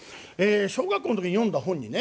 小学校の時に読んだ本にね